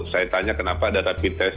saya tanya kenapa ada rapi tes